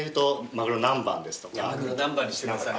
マグロ南蛮にしてください。